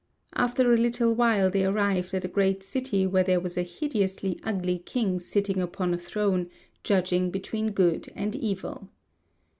After a little while they arrived at a great city where there was a hideously ugly king sitting upon a throne judging between good and evil.